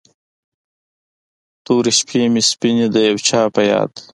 تورې شپې مې سپینې د یو چا په یاد